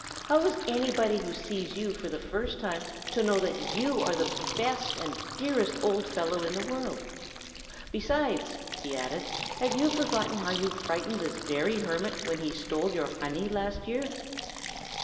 How is anybody who sees you for the first time to know that you are the best and dearest old fellow in the world? Besides," he added, "have you forgotten how you frightened this very hermit when he stole your honey, last year?"